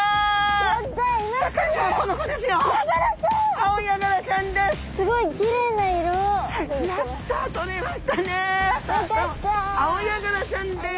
アオヤガラちゃんです。